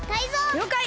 りょうかい！